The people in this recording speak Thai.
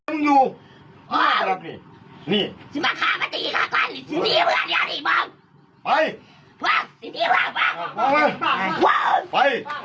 ไม่ะ